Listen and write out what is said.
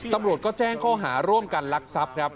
ตำรวจก็แจ้งข้อหาร่วมกันลักทรัพย์ครับ